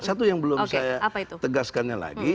satu yang belum saya tegaskannya lagi